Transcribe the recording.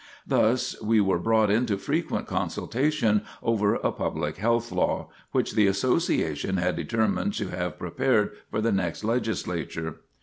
Thus we were brought into frequent consultation over a public health law, which the Association had determined to have prepared for the next Legislature.